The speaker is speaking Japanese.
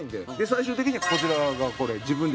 最終的にこちらがこれ自分で。